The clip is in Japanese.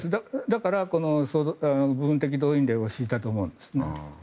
だから、部分的動員令を敷いたと思うんですね。